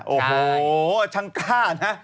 โอ้โหช่างกล้านะ